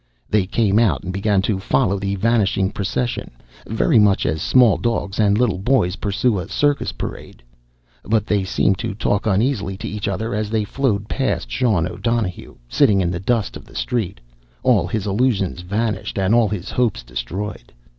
They came out and began to follow the vanishing procession, very much as small dogs and little boys pursue a circus parade. But they seemed to talk uneasily to each other as they flowed past Sean O'Donohue, sitting in the dust of the street, all his illusions vanished and all his hopes destroyed.